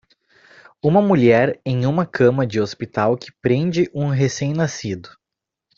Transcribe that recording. Uma mulher em uma cama de hospital que prende um recém-nascido.